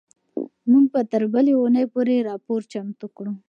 موږ به تر بلې اونۍ پورې راپور چمتو کړو.